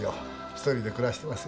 一人で暮らしてますよ。